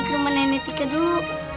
ke rumah nenek tiga dulu